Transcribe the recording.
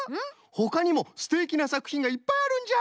ほかにもすてきなさくひんがいっぱいあるんじゃ。